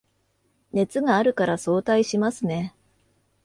熱があるから早退しますね